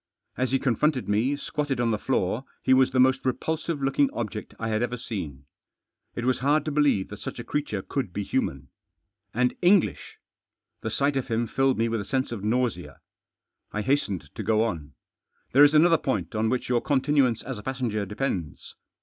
As he confronted me, squatted on the floor, he was the most repulsive looking object I had ever seen. It was hard to believe that such a creature could be human. And English ! The sight of him filled me with a sense of nausea. I hastened to go on. " There is another point on which your continuance as a passenger depends.